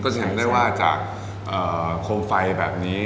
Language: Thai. ก็ฉันได้ว่าจากโครงไฟแบบนี้